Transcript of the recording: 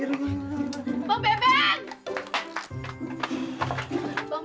jangan lupa bu